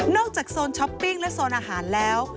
โซนช้อปปิ้งและโซนอาหารแล้ว